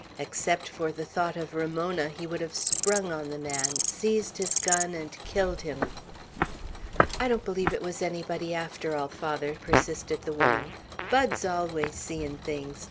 Except for the thought of Ramona, he would have sprung on the man, seized his gun, and killed him. "I don't believe it was anybody, after all, father," persisted the woman. "Bud's always seein' things.